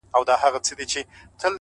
• صفت زما مه كوه مړ به مي كړې؛